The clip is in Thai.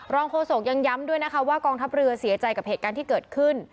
โฆษกยังย้ำด้วยนะคะว่ากองทัพเรือเสียใจกับเหตุการณ์ที่เกิดขึ้น